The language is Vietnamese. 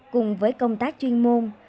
cùng với công tác chuyên môn